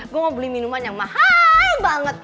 gue mau beli minuman yang mahal banget